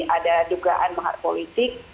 ada dugaan mahar politik